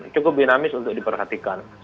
cukup dinamis untuk diperhatikan